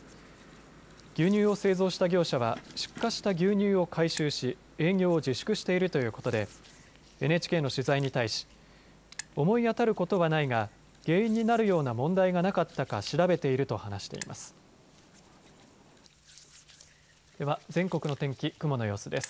牛乳を製造した業者は出荷した牛乳を回収し営業を自粛しているということでＮＨＫの取材に対し思い当たることはないが原因になるような問題がなかったか調べていると話しています。